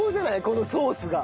このソースが。